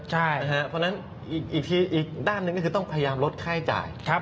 เพราะฉะนั้นอีกด้านหนึ่งก็คือต้องพยายามลดค่าจ่าย